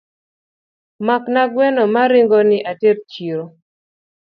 Makna gweno maringoni ater chiro.